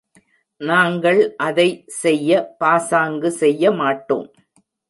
நாங்கள் அதை செய்ய பாசாங்கு செய்ய மாட்டோம்.